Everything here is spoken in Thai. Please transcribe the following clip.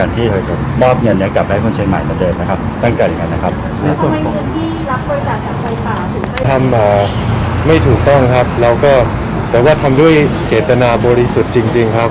ถ้าไม่ถูกต้องครับเราก็แต่ว่าทำด้วยเจตนาบริสุทธิ์จริงครับ